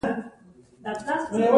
او ملا ډېر زور نۀ راځي -